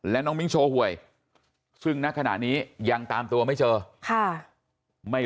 และน้องมิ้งโชว์หวยซึ่งณขณะนี้ยังตามตัวไม่เจอค่ะไม่